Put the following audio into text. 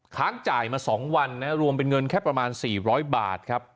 ค้างจ่ายมา๒วันรวมเป็นเงินแค่ประมาณ๔๐๐บาทครับ